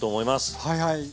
はいはい！